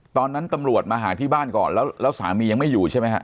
ตอนนั้นตำรวจมาหาที่บ้านก่อนแล้วสามียังไม่อยู่ใช่ไหมฮะ